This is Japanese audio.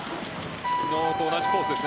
昨日と同じコースですね。